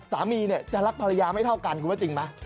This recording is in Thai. สามีจะรักภาระยาไม่เท่ากันครูว่าจริงไหม